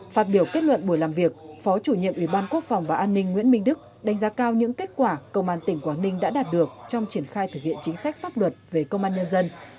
phát biểu kết luận buổi làm việc phó chủ nhiệm ủy ban quốc phòng và an ninh nguyễn minh đức đánh giá cao những kết quả công an tỉnh quảng ninh đã đạt được trong triển khai thực hiện chính sách pháp luật về công an nhân dân